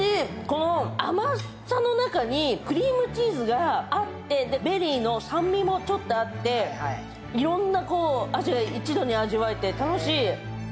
この甘さの中にクリームチーズがあって、ベリーの酸味もちょっとあって、いろんな味が一度に味わえて楽しい。